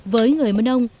với người mân âu